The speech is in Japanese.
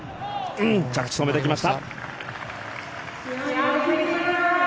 着地、止めてきました。